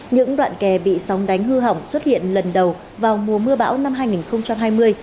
những đoạn kè bị sóng đánh hư hỏng xuất hiện lần đầu vào mùa mưa bão năm hai nghìn hai mươi